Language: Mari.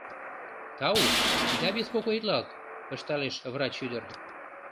— Тау, ида беспокоитлалт, — ышталеш врач ӱдыр.